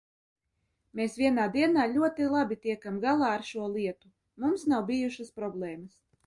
Mēs vienā dienā ļoti labi tiekam galā ar šo lietu, mums nav bijušas problēmas.